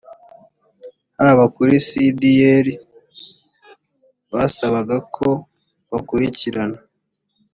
haba kuri cdr basabaga ko bakurikirana